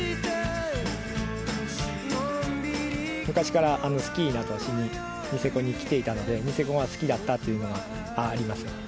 昔からスキーなどをしにニセコに来ていたのでニセコが好きだったっていうのがあります。